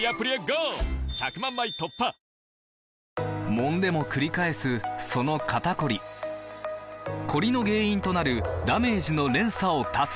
もんでもくり返すその肩こりコリの原因となるダメージの連鎖を断つ！